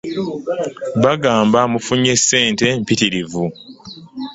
Bagamba mufunyeemu ssente mpitirivu.